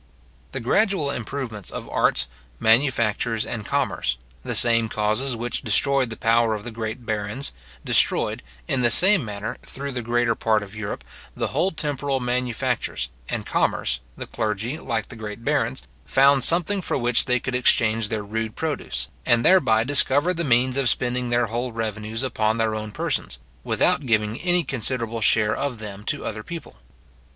The gradual improvements of arts, manufactures, and commerce, the same causes which destroyed the power of the great barons, destroyed, in the same manner, through the greater part of Europe, the whole temporal manufactures, and commerce, the clergy, like the great barons, found something for which they could exchange their rude produce, and thereby discovered the means of spending their whole revenues upon their own persons, without giving any considerable share of them to other people.